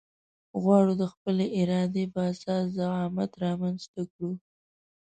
غواړو د خپلې ارادې په اساس زعامت رامنځته کړو.